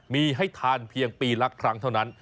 มีให้ทานเพียงปีละครั้งเท่านั้น